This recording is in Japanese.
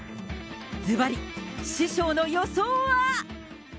ずばり、師匠の予想は。